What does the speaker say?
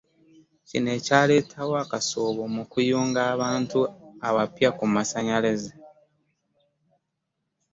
Kino ekyaleetawo akasoobo mu kuyunga abantu abapya ku Masannyalaze.